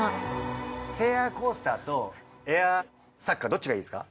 せいやコースターとエアサッカーどっちがいいですか？